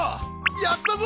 やったぞ！